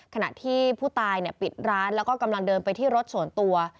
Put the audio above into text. ขณะที่ผู้ตายปิดร้านแล้วก็กำลังเดินไปที่รถส่วนตัว